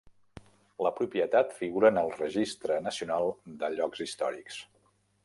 La propietat figura en el Registre Nacional de Llocs Històrics.